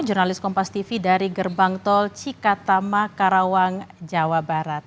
jurnalis kompas tv dari gerbang tol cikatama karawang jawa barat